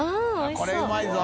これうまいぞ。